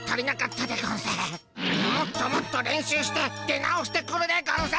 もっともっと練習して出直してくるでゴンス。